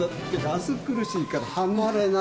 暑苦しいから離れなさい。